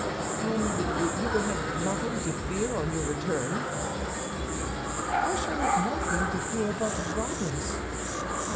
"And you will have nothing to fear on your return?" "I shall have nothing to fear but robbers."